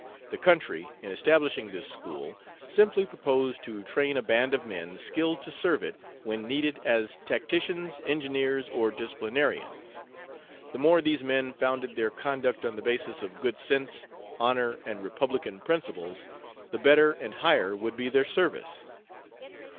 The country, in establishing this school, simply proposed to train a band of men skilled to serve it when needed as tacticians, engineers, or disciplinarians; the more these men founded their conduct on the bases of good sense, honor, and republican principles, the better and higher would be their service.